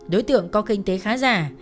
đối tượng có kinh tế khá già